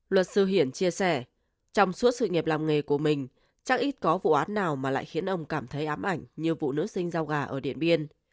luật sư hiển chia sẻ trong suốt sự nghiệp làm nghề của mình chắc ít có vụ án nào mà lại khiến ông cảm thấy ám ảnh như vụ nữ sinh giao gà ở điện biên